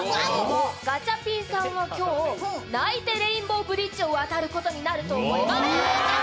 ガチャピンさんは今日、泣いてレインボーブリッジを渡ることになると思います。